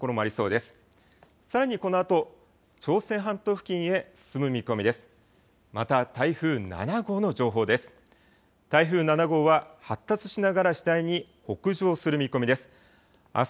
また台風７号の情報です。